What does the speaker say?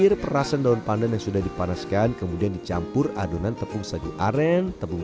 air perasan daun pandan yang sudah dipanaskan kemudian dicampur adonan tepung sagu aren tepung